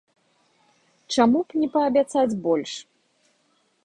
Чаму б не паабяцаць больш?